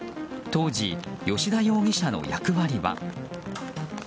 当時、吉田容疑者の役割は。